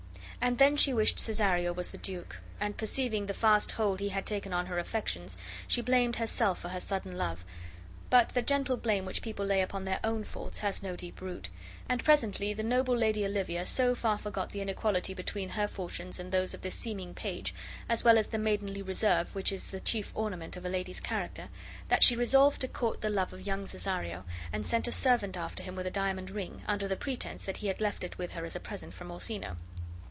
And then she wished Cesario was the duke; and, perceiving the fast hold he had taken on her affections, she blamed herself for her sudden love; but the gentle blame which people lay upon their own faults has no deep root, and presently the noble lady Olivia so far forgot the inequality between, her fortunes and those of this seeming page, as well as the maidenly reserve which is the chief ornament of a lady's character, that she resolved to court the love of young Cesario, and sent a servant after him with a diamond ring, under the pretense that he had left it with her as a present from Orsino.